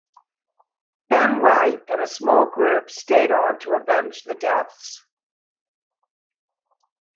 Ben Wright and a small group stayed on to avenge the deaths.